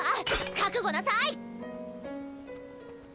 覚悟なさい！